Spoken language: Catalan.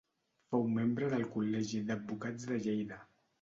Fou membre del Col·legi d'Advocats de Lleida.